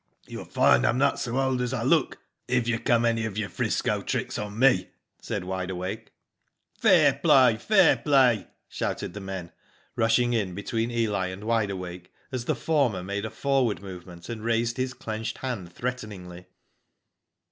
'* You'll find I'm not so old as I look if you come any of your 'Frisco tricks on me,'^ said Wide Awake. " Fair play ! Fair play !" shouted the men, rushing in between Eli and Wide Awake, as the former made a forward movement and raised his clenched hand threateningly.